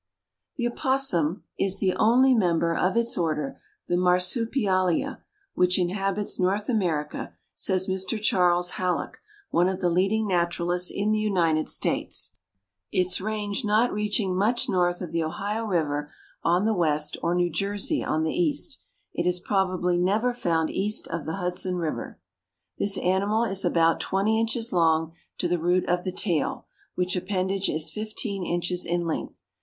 The opossum is the only member of its order, the Marsupialia, which inhabits North America, says Mr. Chas. Hallock, one of the leading naturalists in the United States. It is confined to the southern portion, its range not reaching much north of the Ohio River on the west, or New Jersey on the east. It is probably never found east of the Hudson River. This animal is about twenty inches long to the root of the tail, which appendage is fifteen inches in length.